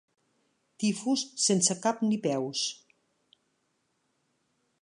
Tifus sense cap ni peus.